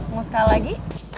mau sekali lagi